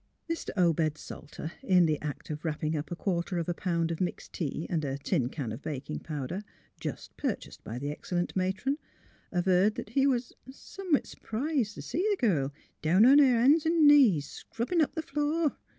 Mr. Obed Salter, in the act of wrapping up a quarter of a pound of mixed tea and a tin can of baking powder, just purchased by the excellent matron, averred that he was " some s 'prised to see the girl, down on her ban's an' knees scrubbin' up the floor."